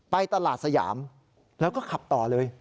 ไปตลาดสยามแล้วก็ขับต่อเลย